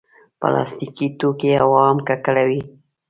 پلاستيکي توکي هوا هم ککړوي.